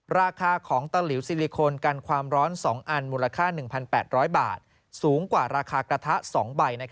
ราคาของตะหลิวซิลิโคนกันความร้อน๒อันมูลค่า๑๘๐๐บาทสูงกว่าราคากระทะ๒ใบ